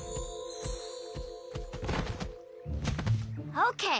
オッケー。